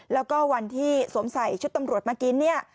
แล้วก็วันที่สวมใส่ชุดตำรวจเมื่อกี้เนี่ย